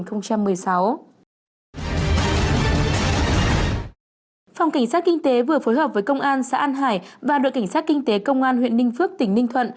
phòng cảnh sát kinh tế vừa phối hợp với công an xã an hải và đội cảnh sát kinh tế công an huyện ninh phước tỉnh ninh thuận